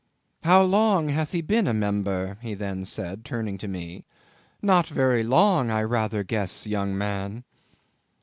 "How long hath he been a member?" he then said, turning to me; "not very long, I rather guess, young man."